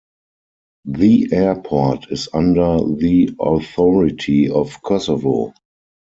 The airport is under the authority of Kosovo.